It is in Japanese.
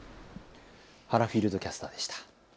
原フィールドキャスターでした。